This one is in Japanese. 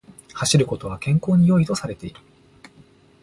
走ることは健康に良いとされている